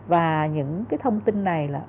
và những thông tin này